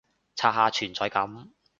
刷下存在感